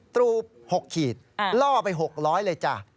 ตรู๖ขีดล่อไป๖๐๐เลยจ้ะ